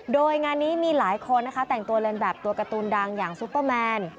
โดยงานนี้มีหลายคนนะคะแต่งตัวเล่นแบบตัวการ์ตูนดังอย่างซุปเปอร์แมน